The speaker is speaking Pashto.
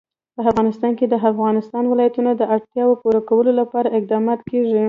په افغانستان کې د د افغانستان ولايتونه د اړتیاوو پوره کولو لپاره اقدامات کېږي.